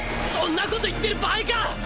そんなこと言ってる場合か！